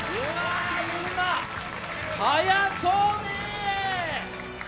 速そうね！